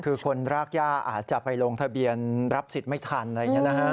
คือคนรากย่าอาจจะไปลงทะเบียนรับสิทธิ์ไม่ทันอะไรอย่างนี้นะฮะ